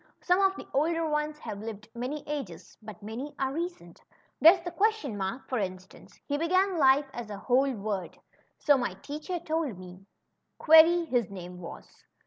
Some of the older ones have lived many ages, but many are recent. There's the question mark, for instance. He began life as a whole word, so my teacher told me ;^ Query,' his name was.